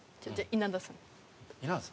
稲田さん？